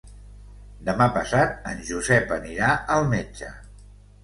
Demà passat en Josep anirà al metge.